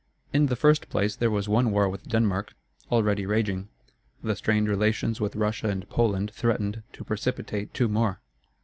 In the first place there was one war with Denmark, already raging; the strained relations with Russia and Poland threatened to precipitate two more.